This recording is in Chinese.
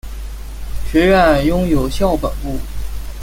学院拥有校本部。